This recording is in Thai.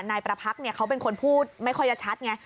นายประพักษ์เขาเป็นคนพูดไม่ค่อยจะชัดไง